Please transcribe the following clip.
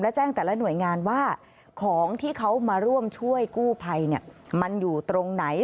และแจ้งแต่ละหน่วยงานว่าของที่เขามาร่วมช่วยกู้ภัยมันอยู่ตรงไหน